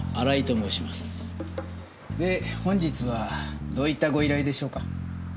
で本日はどういったご依頼でしょうか？